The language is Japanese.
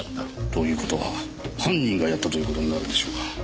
という事は犯人がやったという事になるんでしょうか。